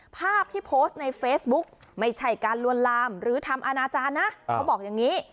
ภาพที่โพสต์ในเฟซบุ๊กไม่ใช่การลวนลามหรือทำอนาจารย์นะเขาบอกอย่างนี้